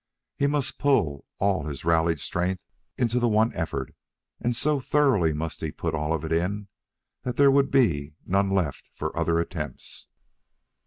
He must pull all his rallied strength into the one effort, and so thoroughly must he put all of it in that there would be none left for other attempts.